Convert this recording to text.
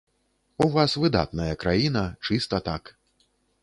У вас выдатная краіна, чыста так.